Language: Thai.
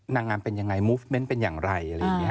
นางงามเป็นยังไงมูฟเมนต์เป็นอย่างไรอะไรอย่างนี้